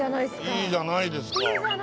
いいじゃないですか。